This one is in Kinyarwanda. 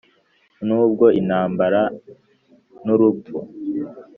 nubwo intambara, n'urupfu! "